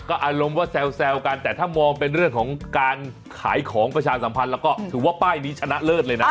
อารมณ์ว่าแซวกันแต่ถ้ามองเป็นเรื่องของการขายของประชาสัมพันธ์แล้วก็ถือว่าป้ายนี้ชนะเลิศเลยนะ